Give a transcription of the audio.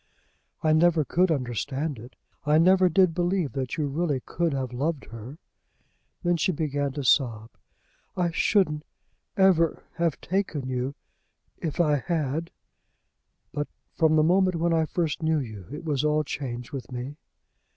"I never could understand it. I never did believe that you really could have loved her." Then she began to sob. "I shouldn't ever have taken you if I had." "But from the moment when I first knew you it was all changed with me."